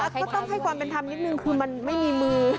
ก็ต้องให้ความเป็นธรรมนิดนึงคือมันไม่มีมือ